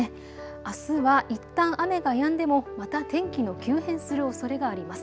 あすはいったん雨がやんでもまた天気の急変するおそれがあります。